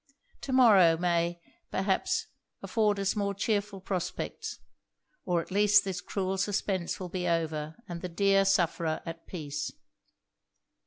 To morrow may, perhaps, afford us more chearful prospects or at least this cruel suspense will be over, and the dear sufferer at peace.'